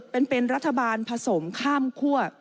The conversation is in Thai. เป็นรัฐบาลผสมข้ามคั่ว